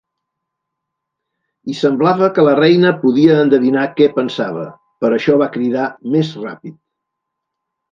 I semblava que la Reina podia endevinar què pensava, per això va cridar "Més ràpid".